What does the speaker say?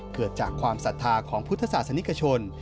เกิดจากความศรัทธาของพุทธศาสนิกชน